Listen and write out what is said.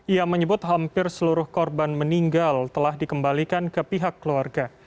ia menyebut hampir seluruh korban meninggal telah dikembalikan ke pihak keluarga